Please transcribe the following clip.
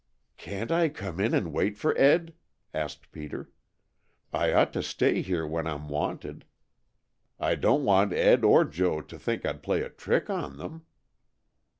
"Can't I come in and wait for Ed?" asked Peter. "I ought to stay here when I'm wanted. I don't want Ed or Joe to think I'd play a trick on them."